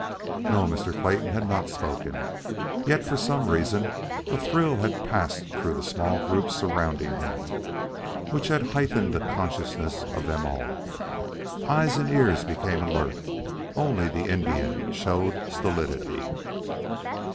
No, Mr. Clayton had not spoken; yet for some reason a thrill had passed through the small group surrounding him, which had heightened the consciousness of them all. Eyes and ears became alert; only the Indian showed stolidity.